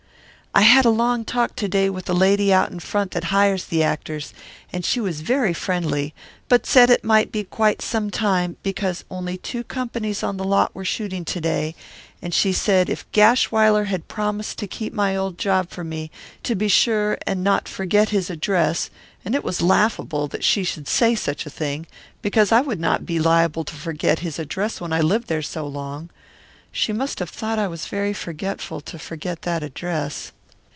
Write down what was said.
I had a long talk to day with the lady out in front that hires the actors, and she was very friendly, but said it might be quite some time, because only two companies on the lot were shooting to day, and she said if Gashwiler had promised to keep my old job for me to be sure and not forget his address, and it was laughable that she should say such a thing, because I would not be liable to forget his address when I lived there so long. She must have thought I was very forgetful, to forget that address.